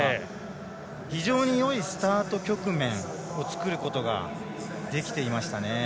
非常に、よいスタート局面を作ることができていましたね。